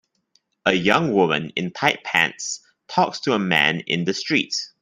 A young woman in tight pants talks to a man in the street.